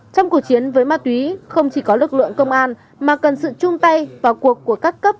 trong cuộc chiến với ma túy không chỉ có lực lượng công an mà cần sự chung tay vào cuộc của các cấp